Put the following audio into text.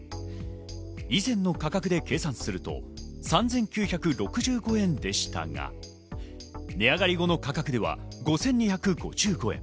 以前の価格で計算すると３９６５円でしたが値上がり後の価格では５２５５円。